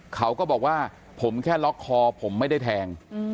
เขาก็บอกว่าผมแค่ล็อกคอผมไม่ได้แทง